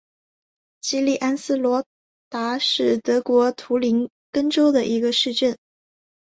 基利安斯罗达是德国图林根州的一个市镇。